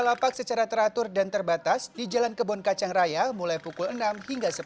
lapak secara teratur dan terbatas di jalan kebon kacang raya mulai pukul enam hingga sepuluh